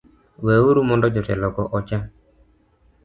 Weuru mondo jotelogo ocha